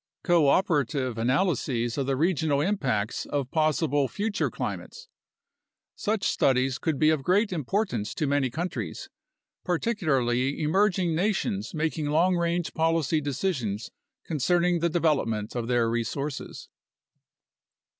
Cooperative analyses of the regional impacts of possible future cli mates. Such studies could be of great importance to many countries, particularly emerging nations making long range policy decisions con cerning the development of their resources.